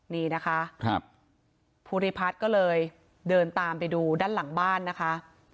นี่นะคะภูริพัฒน์ก็เลยเดินตามไปดูด้านหลังบ้านนะคะ